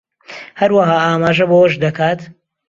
هەروەها ئاماژە بەوەش دەکات